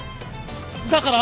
だから？